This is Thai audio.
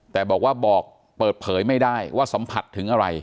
แต่บอกว่าบอกเปิดเผยไม่ได้ว่าสัมผัสถึงอะไร